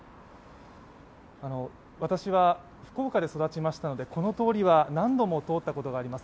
私は福岡で育ちましたのでこの通りは何度も通ったことがあります。